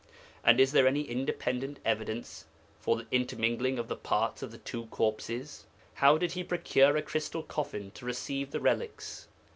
And, is there any independent evidence for the intermingling of the parts of the two corpses? How did he procure a crystal coffin to receive the relics?